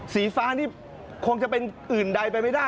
สีฟ้านี่คงจะเป็นอื่นใดไปไม่ได้